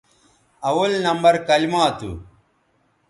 اول نمبر کلما تھو